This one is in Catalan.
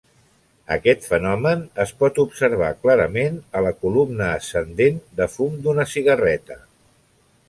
Aquest fenomen es pot observar clarament a la columna ascendent de fum d'una cigarreta.